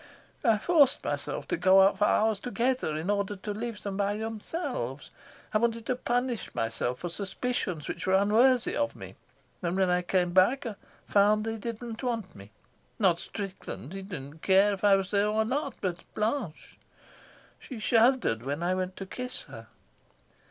I forced myself to go out for hours together in order to leave them by themselves; I wanted to punish myself for suspicions which were unworthy of me; and when I came back I found they didn't want me not Strickland, he didn't care if I was there or not, but Blanche. She shuddered when I went to kiss her.